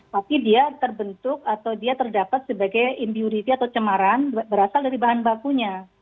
tapi dia terbentuk atau dia terdapat sebagai impurity atau cemaran berasal dari bahan bakunya